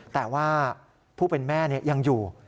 แต่ว่าผู้เป็นแม่ยังอยู่